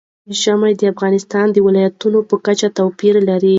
ژمی د افغانستان د ولایاتو په کچه توپیر لري.